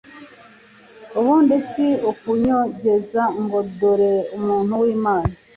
ubundi si ukunyogeza ngo dore umuntu w’Imana!